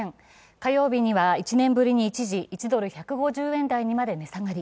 火曜日には一時１ドル＝１５０円にまで値下がり。